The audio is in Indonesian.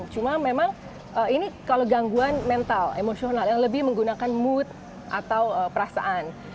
cuma memang ini kalau gangguan mental emosional yang lebih menggunakan mood atau perasaan